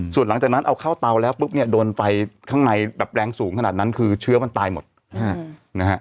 ส่วนหลังจากนั้นเอาเข้าเตาแล้วปุ๊บเนี่ยโดนไฟข้างในแบบแรงสูงขนาดนั้นคือเชื้อมันตายหมดนะฮะ